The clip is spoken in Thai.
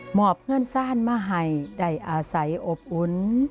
หมอบเงินสร้านมหัยได้อาศัยอบอุ้น